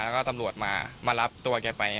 แล้วก็ตำรวจมารับตัวกลายไปนะครับ